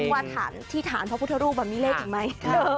ว่าที่ฐานพระพุทธรูปมีเลขอีกไหม